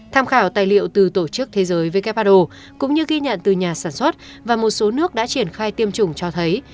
tham khảo tài liệu từ tổ chức thế giới who cũng như ghi nhận từ nhà sản xuất và một số nước đã triển khai tiêm chủng cho thấy